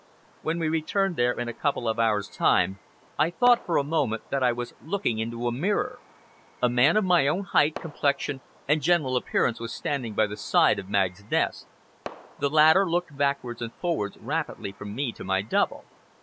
When we returned there in a couple of hours' time, I thought, for a moment, that I was looking into a mirror. A man of my own height, complexion and general appearance was standing by the side of Magg's desk. The latter looked backwards and forwards rapidly from me to my double.